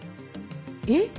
えっ？